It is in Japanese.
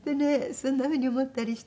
そんな風に思ったりして。